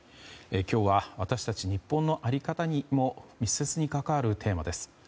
今日は、私たち日本の在り方にも密接に関わるテーマです。